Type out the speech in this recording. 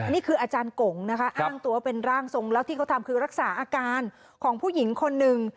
นี่คืออาจารย์กงนะคะอ้างตัวเป็นร่างทรงแล้วที่เขาทำคือรักษาอาการของผู้หญิงคนหนึ่ง